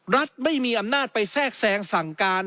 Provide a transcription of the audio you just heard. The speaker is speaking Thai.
รัฐไม่มีอำนาจไปแทรกแซงสั่งการ